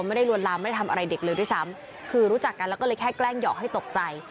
ลวนลามไม่ได้ทำอะไรเด็กเลยด้วยซ้ำคือรู้จักกันแล้วก็เลยแค่แกล้งหอกให้ตกใจ